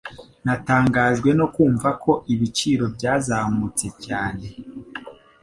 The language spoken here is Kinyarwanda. Natangajwe no kumva ko ibiciro byazamutse cyane.